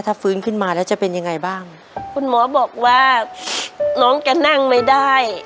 ถ้าฟื้นขึ้นมาแล้วจะเป็นยังไงบ้างคุณหมอบอกว่าน้องแกนั่งไม่ได้